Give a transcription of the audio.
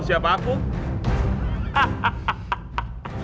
apa yang kamu lakukan